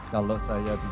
kalau saya bicara tentang